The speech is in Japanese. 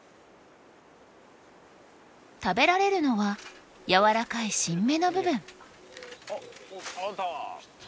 食べられるのはやわらかい新芽の部分。